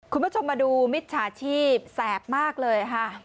คุณผู้ชมมาดูมิจฉาชีพแสบมากเลยค่ะ